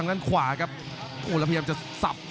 รับทราบบรรดาศักดิ์